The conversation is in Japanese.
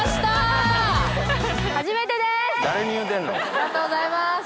ありがとうございます。